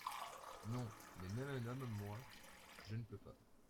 Non, mais même un homme, moi, je ne peux pas !